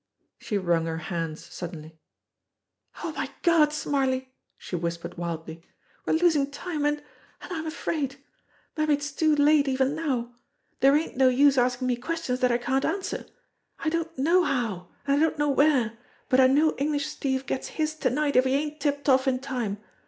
She wrung her hands suddenly. w 'Oh, my Gawd, Smarly," she whispered wildly, "we're losin' time, an' an' I'm afraid. Mabbe it's too late even now. Dere ain't no use askin' me questions dat I can't answer. I don't know how, an' I don't know where, but I knows English Steve gets his to night if he ain't tipped off in time.